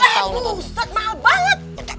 eh buset mahal banget